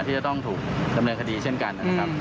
ที่จะต้องถูกดำเนินคดีเช่นกัน